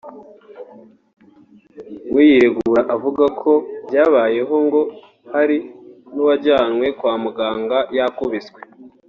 we yiregura avuga ko byabayeho ngo hari n’uwajyanywe kwa muganga yakubiswe